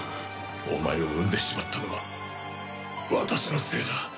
お前を生んでしまったのは私のせいだ。